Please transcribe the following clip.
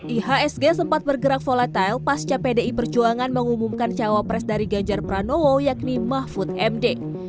ihsg sempat bergerak volatile pasca pdi perjuangan mengumumkan cawapres dari ganjar pranowo yakni mahfud md